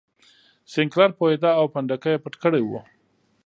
سینکلر پوهېده او پنډکی یې پټ کړی و.